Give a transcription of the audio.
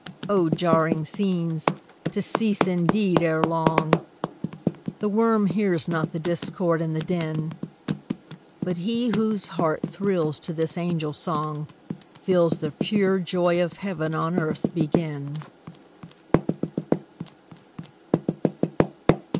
Oh, jarring scenes! to cease, indeed, ere long; The worm hears not the discord and the din; But he whose heart thrills to this angel song, Feels the pure joy of heaven on earth begin!